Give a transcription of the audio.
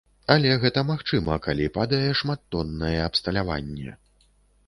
Але гэта магчыма, калі падае шматтоннае абсталяванне.